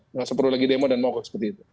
nggak seperlu lagi demo dan mogok seperti itu